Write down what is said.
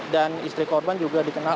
dan istri korban juga dikenal